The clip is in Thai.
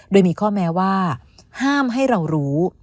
โดยมีข้อแม้ว่าห้ามให้เรารู้